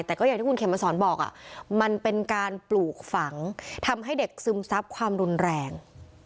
แต่ก็อย่างที่คุณเขมมาสอนบอกมันเป็นการปลูกฝังทำให้เด็กซึมซับความรุนแรง